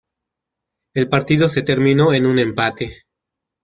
El partido se terminó en un empate.